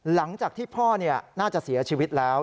หลังจากที่พ่อน่าจะเสียชีวิตแล้ว